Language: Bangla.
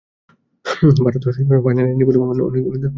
ভারত ফাইনালে নেই বলে অনেক দর্শকেরই মাঠে আসার আগ্রহ বলতে গেলে শেষই।